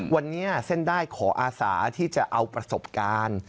วันนี้เส้นได้ขออาสาที่จะเอาประสบการณ์